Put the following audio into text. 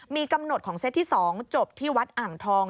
มีกำหนดของเซตที่๒จบที่วัดอ่างทอง